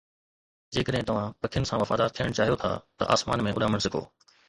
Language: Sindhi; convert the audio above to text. جيڪڏهن توهان پکين سان وفادار ٿيڻ چاهيو ٿا ته آسمان ۾ اڏامڻ سکو